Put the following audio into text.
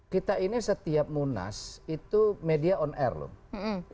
kita ini setiap munas itu media on air loh